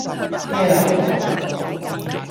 咩呀!